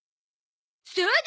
そうだ！